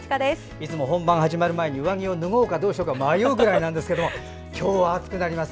いつも本番始まる前に上着を脱ごうかどうしようか迷うぐらいなんですけど今日は暑くなります。